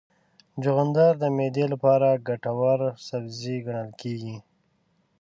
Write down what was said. چغندر د معدې لپاره ګټور سبزی ګڼل کېږي.